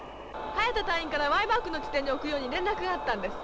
ハヤタ隊員からＹマークの地点に置くように連絡があったんです。